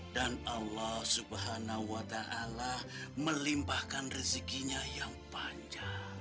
dan allah swt melimpahkan rezekinya yang panjang